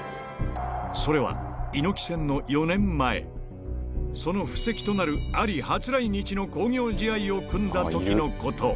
それは猪木戦の４年前、その布石となる、アリ初来日の興行試合を組んだときのこと。